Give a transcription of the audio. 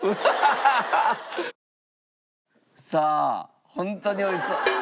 さあホントに美味しそう。